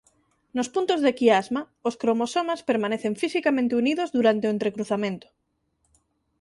Nos puntos de quiasma os cromosomas permanecen fisicamente unidos durante o entrecruzamento.